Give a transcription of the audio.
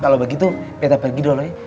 kalo begitu beta pergi dulu ya